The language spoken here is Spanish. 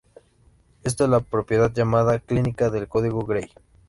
Esta es la propiedad llamada "cíclica" del código de Gray.